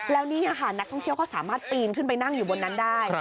แล้วนี่ค่ะนักท่องเที่ยวก็สามารถปีนขึ้นไปนั่งอยู่บนนั้นได้